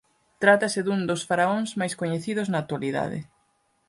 Trátase dun dos faraóns máis coñecidos na actualidade.